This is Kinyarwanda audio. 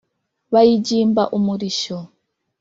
Bayigimba umurishyo